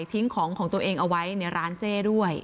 ทิ้งของของตัวเองเอาไว้ในร้านเจ๊ด้วย